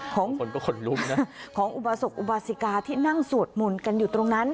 ของคนก็ขนลุกนะของอุบาสกอุบาสิกาที่นั่งสวดมนต์กันอยู่ตรงนั้น